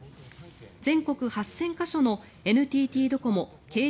全国８０００か所のＮＴＴドコモ、ＫＤＤＩ